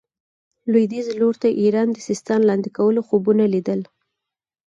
لوېدیځ لوري ته ایران د سیستان لاندې کولو خوبونه لیدل.